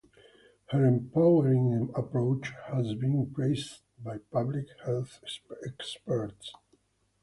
Her empowering approach has been praised by public health experts.